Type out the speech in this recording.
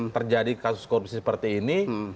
terjadi kasus korupsi seperti ini